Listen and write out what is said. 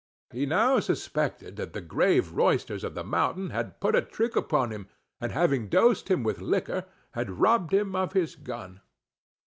He now suspected that the grave roysters of the mountain had put a trick upon him, and, having dosed him with liquor, had robbed him of his gun.